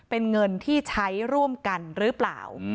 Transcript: เป็นเงินที่ใช้ร่วมกันหรือเปล่า